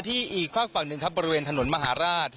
อีกฝากฝั่งหนึ่งครับบริเวณถนนมหาราช